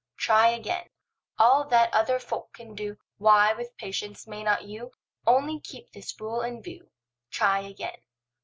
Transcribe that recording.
Try again; All that other folk can do. Why, with patience, may not you? Only keep this rule in view. Try again.